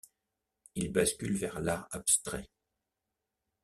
Il bascule vers l'art abstrait.